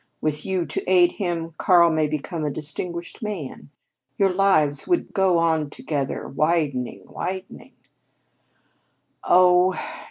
With you to aid him, Karl may become a distinguished man. Your lives would go on together, widening, widening " "Oh!"